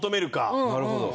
なるほど。